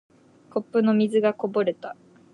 コップの水がこぼれた。